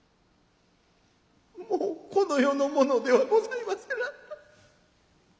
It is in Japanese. もうこの世のものではございませな。